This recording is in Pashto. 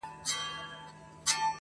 په پای کي شپږمه ورځ هم بې پايلې تېريږي,